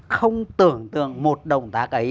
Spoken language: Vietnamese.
không tưởng tượng một động tác ấy